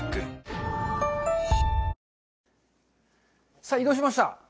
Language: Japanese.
さあ、移動しました。